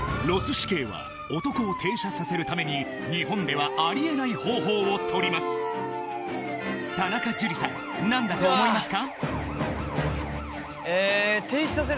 市警は男を停車させるために日本ではありえない方法をとります田中樹さん何だと思いますか？